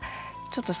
ちょっと！